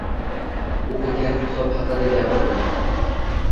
Oʻqiganim kitob haqida gapirdim